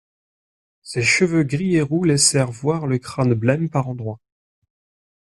Ses cheveux gris et roux laissaient voir le crâne blême, par endroits.